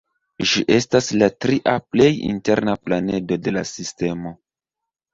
Ĝi estas la tria plej interna planedo de la sistemo.